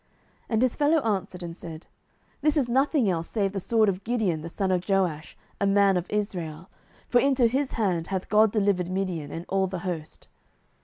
07:007:014 And his fellow answered and said, This is nothing else save the sword of Gideon the son of Joash, a man of Israel: for into his hand hath God delivered Midian, and all the host.